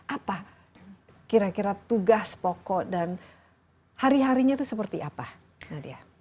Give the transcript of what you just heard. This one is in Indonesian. apa kira kira tugas pokok dan hari harinya itu seperti apa nadia